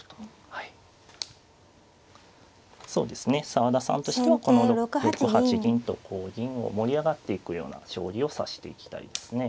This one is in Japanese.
澤田さんとしてはこの６八銀とこう銀を盛り上がっていくような将棋を指していきたいですね。